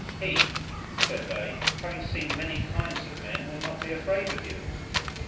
"He," said they, "having seen many kinds of men, will not be afraid of you."